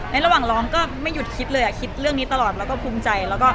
ระหว่างร้องก็ไม่หยุดคิดเลยคิดเรื่องนี้ตลอดแล้วก็ภูมิใจแล้วก็